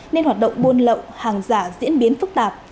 nên hoạt động buôn lậu hàng giả diễn biến phức tạp